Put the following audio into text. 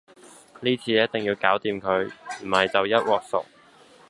呢次你一定要搞掂佢，唔係就一鑊熟